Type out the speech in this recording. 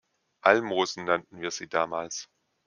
Almosen nannten wir sie damals.